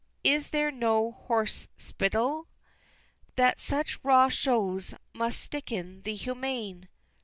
is there no Horse spital! That such raw shows must sicken the humane!